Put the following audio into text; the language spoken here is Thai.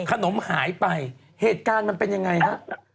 ขนมหายไปเหตุการณ์มันเป็นยังไงฮะ